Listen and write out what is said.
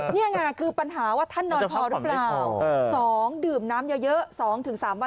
เนี่ยคือปัญหาว่าท่านนอนพอหรือเปล่า๒ดื่มน้ำเยอะ๒ถึง๓วันก่อนฉีดวัคซีนนะค่ะ